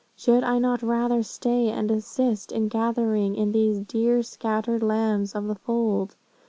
Should I not rather stay and assist in gathering in these dear scattered lambs of the fold?